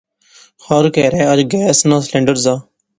ہر کہرا اچ گیس نا سلنڈر زا